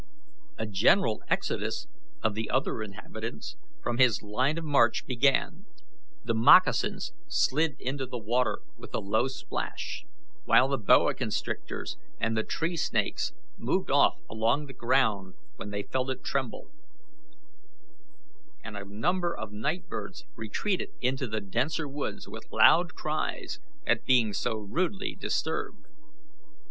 A general exodus of the other inhabitants from his line of march began; the moccasins slid into the water with a low splash, while the boa constrictors and the tree snakes moved off along the ground when they felt it tremble, and a number of night birds retreated into the denser woods with loud cries at being so rudely disturbed.